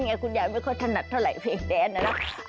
เนี่ยคุณใหญ่ไม่ค่อยถนัดเท่าไหร่เพลงแดนนะ